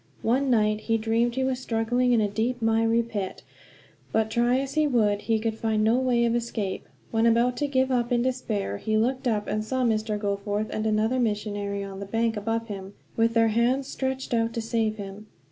One night he dreamed he was struggling in a deep, miry pit; but try as he would he could find no way of escape. When about to give up in despair, he looked up and saw Mr. Goforth and another missionary on the bank above him, with their hands stretched out to save him.